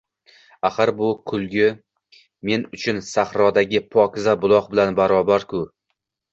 Axir, bu kulgi men uchun sahrodagi pokiza buloq bilan barobar-ku!